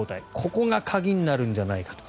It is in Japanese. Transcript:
ここが鍵になるんじゃないかと。